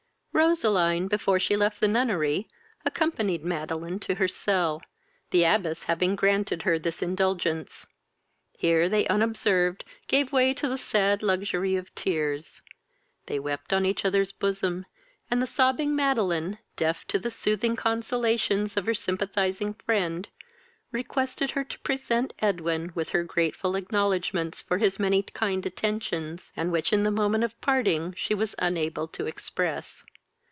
Roseline, before she left the nunnery, accompanied Madeline to her cell, the abbess having granted her this indulgence. Here they unobserved gave way to the sad luxury of tears. They wept on each other's bosom, and the sobbing Madeline, deaf to the soothing consolations of her sympathizing friend, requested her to present Edwin with her grateful acknowledgements for his many kind attentions, and which in the moment of parting she was unable to express.